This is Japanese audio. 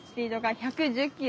１１０キロ？